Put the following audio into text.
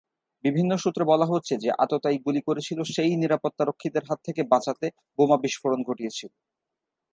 বিভিন্ন সূত্রে বলা হচ্ছে, যে আততায়ী গুলি করেছিল সে-ই নিরাপত্তা রক্ষীদের হাত থেকে বাঁচতে বোমা বিস্ফোরণ ঘটিয়েছে।